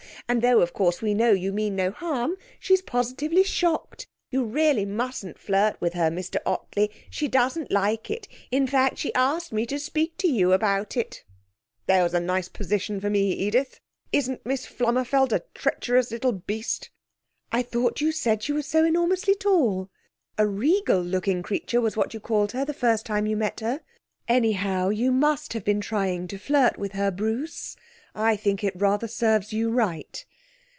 And though, of course, we know you meant no harm, she's positively shocked. You really mustn't flirt with her, Mr Ottley. She doesn't like it. In fact, she asked me to speak to you about it." There was a nice position for me, Edith! Isn't Miss Flummerfelt a treacherous little beast?' 'I thought you said she was so enormously tall. A regal looking creature was what you called her the first time you met her. Anyhow, you must have been trying to flirt with her, Bruce. I think it rather serves you right.